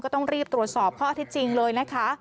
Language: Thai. ต้องรีบตรวจสอบข้อที่จริงเลยนะคะ